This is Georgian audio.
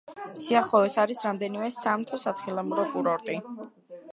სიახლოვეს არის რამდენიმე სამთო-სათხილამურო კურორტი.